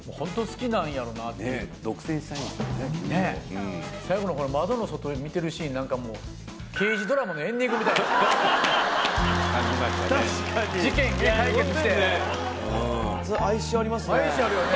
きっと最後のほら窓の外で見てるシーンなんかもう刑事ドラマのエンディングみたい感じましたね